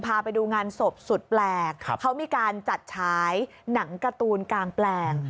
พาไปดูงานศพสุดแปลกเขามีการจัดฉายหนังการ์ตูนกลางแปลง